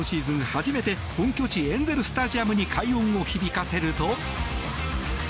初めて本拠地エンゼル・スタジアムに快音を響かせると。